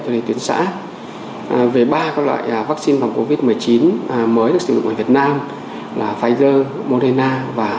cho đến tuyến xã về ba loại vắc xin bằng covid một mươi chín mới được sử dụng ở việt nam là pfizer moderna và